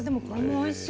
おいしい。